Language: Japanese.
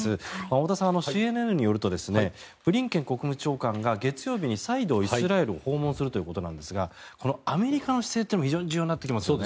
太田さん、ＣＮＮによるとブリンケン国務長官が月曜日に再度、イスラエルを訪問するということなんですがこのアメリカの姿勢というのも非常に重要になってきますよね。